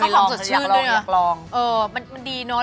เคยลองอยากลองมันดีเนอะ